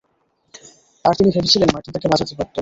আর তিনি ভেবেছিলেন মার্টিন তাকে বাঁচাতে পারতো।